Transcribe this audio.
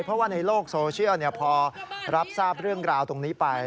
เพราะว่าในโลกโซเชียลพอรับทราบเรื่องราวตรงนี้ไป